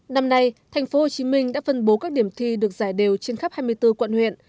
năm nay thành phố hồ chí minh đã phân bố các điểm thi được giải đều trên khắp hai mươi bốn quận huyện